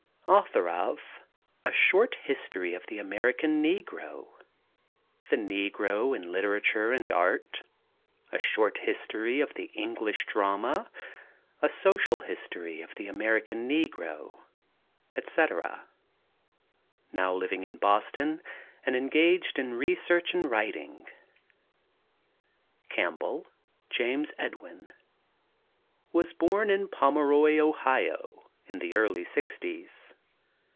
Author of _A Short History of the American Negro, The Negro in Literature and Art, A Short History of the English Drama, A Social History of the American Negro_, etc. Now living in Boston and engaged in research and writing. CAMPBELL, JAMES EDWIN. Was born at Pomeroy, Ohio, in the early sixties.